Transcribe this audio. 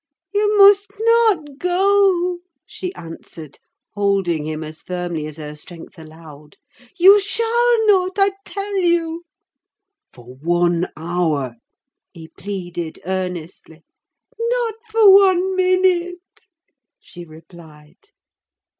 "You must not go!" she answered, holding him as firmly as her strength allowed. "You shall not, I tell you." "For one hour," he pleaded earnestly. "Not for one minute," she replied.